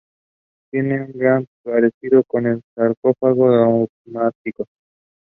The remaining Qing troops were left behind at Hsenwi to guard the supply lines.